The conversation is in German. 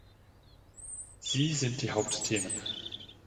Sie sind die Hauptthemen.